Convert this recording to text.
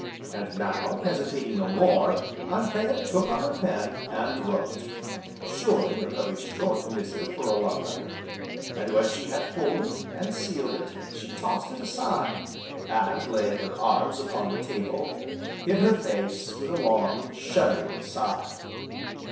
And now, hesitating no more, Anthea took up her pen, and wrote, surely a very short missive for a love letter. And, when she had folded, and sealed it, she tossed it aside, and laying her arms upon the table, hid her face, with a long, shuddering sigh.